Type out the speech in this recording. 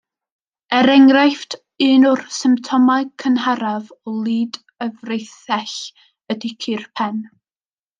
Er enghraifft, un o'r symptomau cynharaf o lid y freithell ydy cur pen.